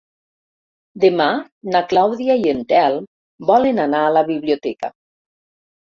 Demà na Clàudia i en Telm volen anar a la biblioteca.